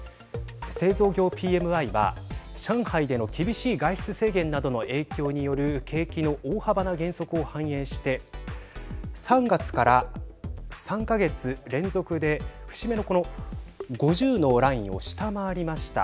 製造業ＰＭＩは上海での厳しい外出制限などの影響による景気の大幅な減速を反映して３月から３か月連続で節目のこの５０のラインを下回りました。